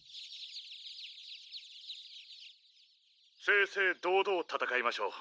正々堂々戦いましょう。